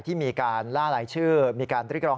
ที่มีการล่ารายชื่อมีการเรียกร้อง